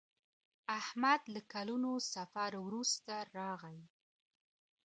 احمد له کلونو سفر وروسته راغی.